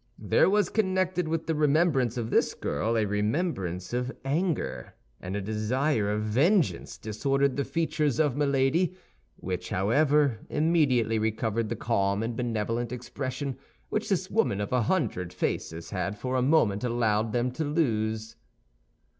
There was connected with the remembrance of this girl a remembrance of anger; and a desire of vengeance disordered the features of Milady, which, however, immediately recovered the calm and benevolent expression which this woman of a hundred faces had for a moment allowed them to lose.